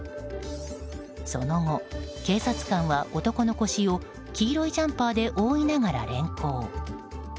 その後、警察官は男の腰を黄色いジャンパーで覆いながら連行。